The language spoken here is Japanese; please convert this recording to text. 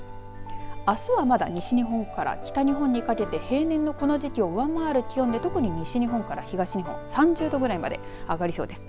あすはまだ西日本から北日本にかけて平年のこの時期を上回る気温で特に西日本から東日本３０度くらいまで上がりそうです。